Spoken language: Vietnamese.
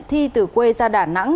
thi từ quê ra đà nẵng